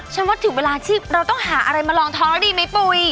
ฉันว่าถึงเวลาที่เราต้องหาอะไรมาลองท้องแล้วดีไหมปุ๋ย